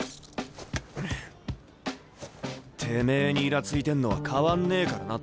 てめえにイラついてんのは変わんねえからな冨樫。